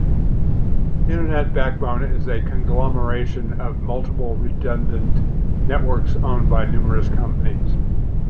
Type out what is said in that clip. The Internet backbone is a conglomeration of multiple, redundant networks owned by numerous companies.